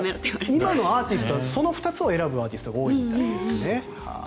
今のアーティストはその２つを選ぶアーティストが多いみたいですね。